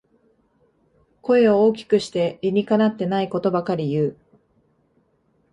声を大きくして理にかなってないことばかり言う